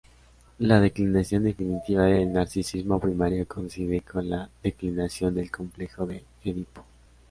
La declinación definitiva del narcisismo primario coincide con la declinación del complejo de Edipo.